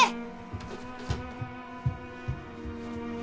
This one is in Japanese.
はい。